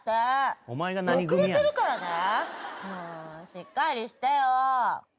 しっかりしてよ。